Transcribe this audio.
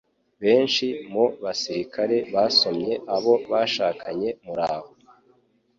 Benshi mu basirikare basomye abo bashakanye muraho.